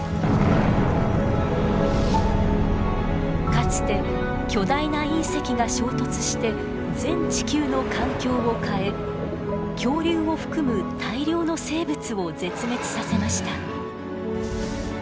かつて巨大な隕石が衝突して全地球の環境を変え恐竜を含む大量の生物を絶滅させました。